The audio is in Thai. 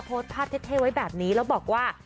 โพสต์ภาพเท่ไว้แบบนี้แล้วบอกว่า